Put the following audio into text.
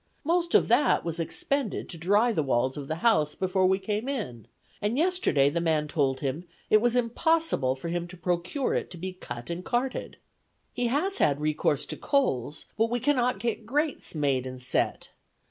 Most of that was expended to dry the walls of the house before we came in, and yesterday the man told him it was impossible for him to procure it to be cut and carted. He has had recourse to coals; but we cannot get grates made and set.